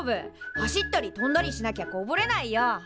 走ったりとんだりしなきゃこぼれないよ。